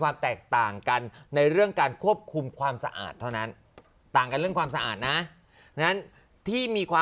โคโรนโรงอยู่นะ